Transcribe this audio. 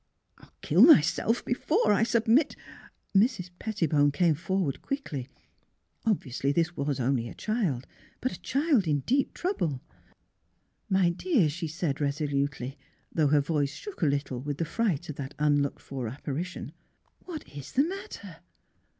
I'll kill myself before I submit " Mrs. Pettibone came forward quickly. Ob viously this was only a child ; but a child in deep trouble. " My dear," she said, resolutely, though her voice shook a little with the fright of that un looked for apparition. *' What is the matter'?